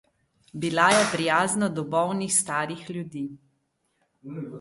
Bila je prijazna do bolnih starih ljudi.